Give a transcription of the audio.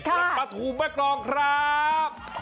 ค่ะปลาถูแม่กองครับ